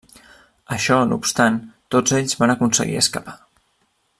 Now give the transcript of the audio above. Això no obstant, tots ells van aconseguir escapar.